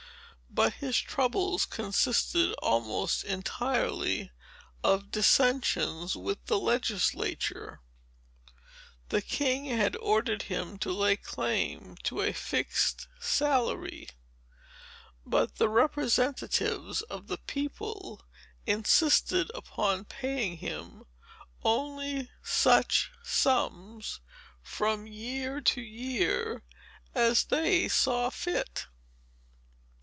But his troubles consisted almost entirely of dissensions with the legislature. The king had ordered him to lay claim to a fixed salary; but the representatives of the people insisted upon paying him only such sums, from year to year, as they saw fit."